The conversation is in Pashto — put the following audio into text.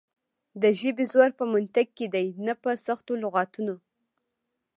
د ژبې زور په منطق کې دی نه په سختو لغتونو.